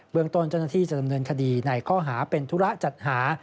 เมืองต้นเจ้าหน้าที่จะดำเนินคดีในข้อหาเป็นธุระจัดหา